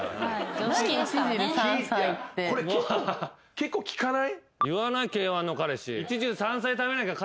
結構聞かない？